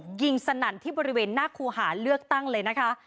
ยิงสนั่นที่บริเวณหน้าครูหาเลือกตั้งเลยนะคะ